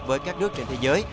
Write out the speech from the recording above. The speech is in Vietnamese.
với các nước trên thế giới